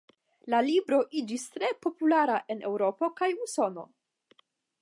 La libro iĝis tre populara en Eŭropo kaj Usono.